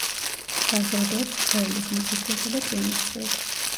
საზრდოობს თოვლის, მიწისქვეშა და წვიმის წყლით.